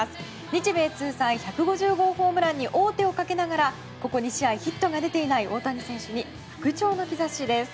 日米通算１５０ホームランに王手をかけながらここ２試合ヒットが出ていない大谷選手の復調の兆しです。